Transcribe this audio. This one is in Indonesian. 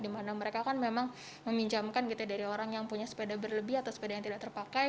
di mana mereka memang meminjamkan dari orang yang punya sepeda berlebih atau sepeda yang tidak terpakai